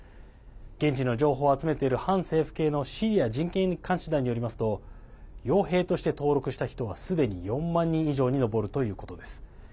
現地の情報を集めている反政府系のシリア人権監視団によりますとよう兵として登録した人はすでに４万人以上に上るということです。